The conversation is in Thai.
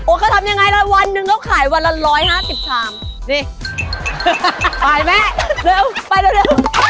โอ้เขาทำยังไงละวันหนึ่งเขาขายวันละร้อยห้าสิบชามนี่ไปแม่เร็วไปเร็วเร็ว